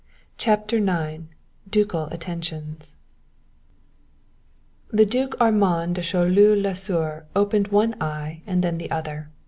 CHAPTER IX DUCAL ATTENTIONS The Duc Armand de Choleaux Lasuer opened one eye and then the other.